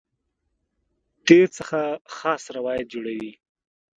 تېر څخه خاص روایت جوړوي.